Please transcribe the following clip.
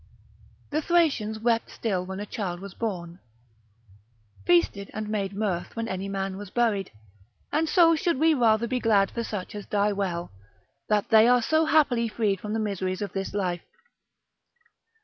The Thracians wept still when a child was born, feasted and made mirth when any man was buried: and so should we rather be glad for such as die well, that they are so happily freed from the miseries of this life.